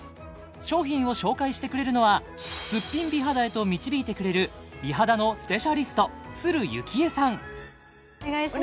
商品を紹介してくれるのはすっぴん美肌へと導いてくれる美肌のスペシャリストお願いします